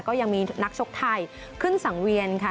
ก็ยังมีนักชกไทยขึ้นสังเวียนค่ะ